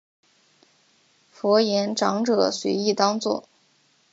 佛言长者随意当作。